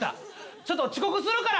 ちょっと遅刻するから！